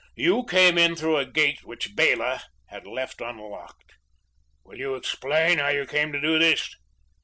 You came in through a gate which Bela had left unlocked. Will you explain how you came to do this?